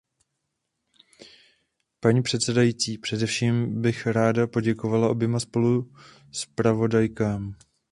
Paní předsedající, především bych ráda poděkovala oběma spoluzpravodajkám.